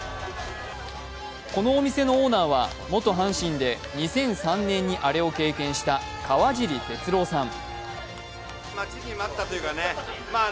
この店のオーナーは元阪神で２００３年にアレを経験した川尻哲郎さん。